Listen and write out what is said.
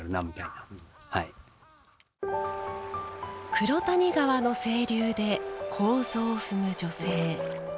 黒谷川の清流で楮を踏む女性。